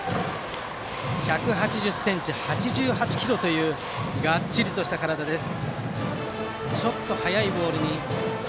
１８０ｃｍ、８８ｋｇというがっちりとした体です。